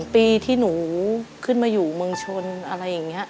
ปีที่หนูขึ้นมาอยู่เมืองชนอะไรอย่างนี้